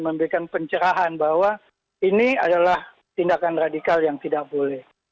memberikan pencerahan bahwa ini adalah tindakan radikal yang tidak boleh